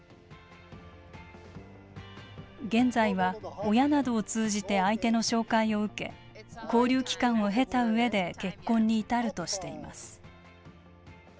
現在は親などを通じて相手の紹介を受け交流期間を経たうえで結婚に至るとしています。